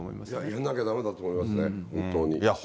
やらなきゃだめだと思いますね、本当に。